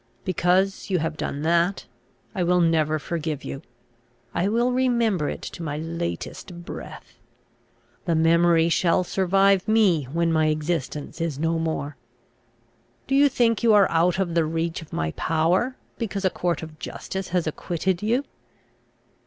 Because you have done that, I will never forgive you. I will remember it to my latest breath. The memory shall survive me, when my existence is no more. Do you think you are out of the reach of my power, because a court of justice has acquitted you?"